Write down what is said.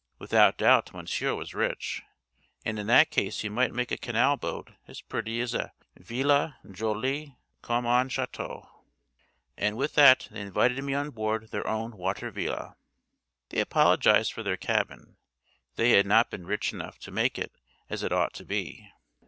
Without doubt Monsieur was rich; and in that case he might make a canal boat as pretty as a villa—joli comme un château. And with that they invited me on board their own water villa. They apologised for their cabin; they had not been rich enough to make it as it ought to be.